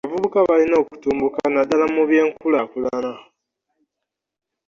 Abavubuka balina okufumbuka naddala mu byenkulaakulana.